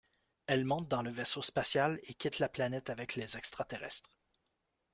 Elle monte dans le vaisseau spatial, et quitte la planète avec les extraterrestres.